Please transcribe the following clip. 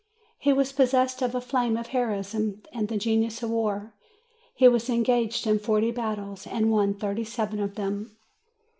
He was possessed of the flame of heroism and the genius of war. He was engaged in forty battles, and won thirty seven of them.